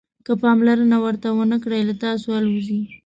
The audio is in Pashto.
که پاملرنه ورته ونه کړئ له تاسو الوزي.